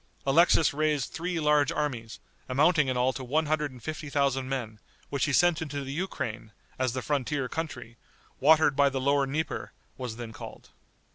Alexis raised three large armies, amounting in all to one hundred and fifty thousand men, which he sent into the Ukraine, as the frontier country, watered by the lower Dnieper, was then called.